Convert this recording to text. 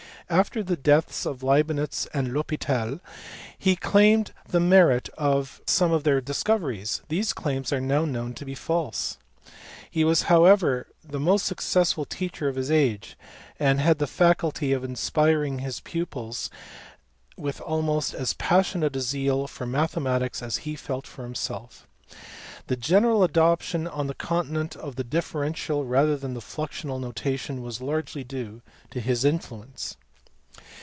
After the deaths of Leibnitz and THospital he claimed the merit of some of their discoveries ; these claims are now known to be false. He was however the most successful teacher of his age, arid had the faculty of inspiring his pupils with almost as passionate a zeal for mathe matics as he felt himself. The general adoption on the conti nent of the differential rather than the fluxional notation was largely due to his influence.